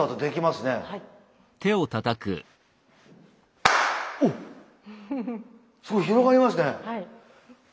すごい広がりますね！